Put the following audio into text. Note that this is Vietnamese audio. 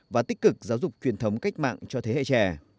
và tích cực giáo dục truyền thống cách mạng cho thế hệ trẻ